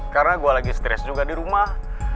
karena gue lagi stres juga di rumah